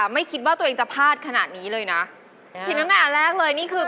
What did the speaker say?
ไม่ก็บ้านหนูมันไม่ใช่เนี่ย